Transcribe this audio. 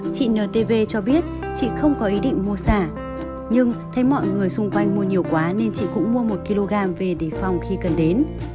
chị ntv cho biết chị không có ý định mua xả nhưng thấy mọi người xung quanh mua nhiều quá nên chị cũng mua một kg về để phòng khi cần đến